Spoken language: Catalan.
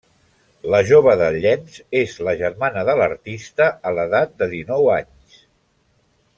La jove del llenç és la germana de l'artista a l'edat de dinou anys.